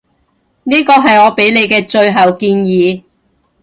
呢個係我畀你嘅最後建議